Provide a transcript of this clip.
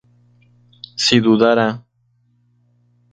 si dudara